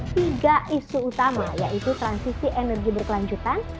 tiga isu utama yaitu transisi energi berkelanjutan